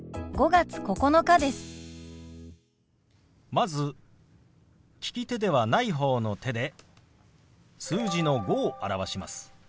まず利き手ではない方の手で数字の「５」を表します。